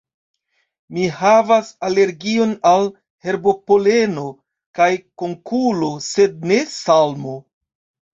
Mi havas alergion al herbopoleno kaj konkulo, sed ne salmo.